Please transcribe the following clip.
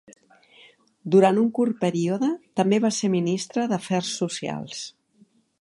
Durant un curt període també va ser ministre d'Afers Socials.